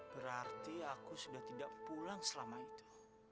berarti aku sudah tidak pulang selama itu